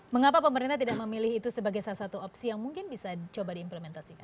mengapa pemerintah tidak memilih itu sebagai salah satu opsi yang mungkin bisa coba diimplementasikan